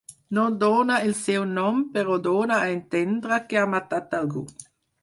No dóna el seu nom, però dóna a entendre que ha matat algú.